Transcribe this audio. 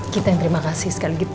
kita yang terima kasih sekali gitu